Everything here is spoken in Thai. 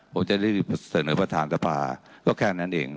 ผมจะรีบเสนอประธานสภาก็แค่นั้นเอง